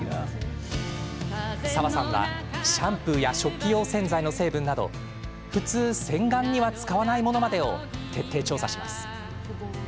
澤さんは、シャンプーや食器用洗剤の成分など普通、洗顔には使わないものまでを徹底調査。